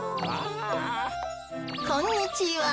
こんにちは。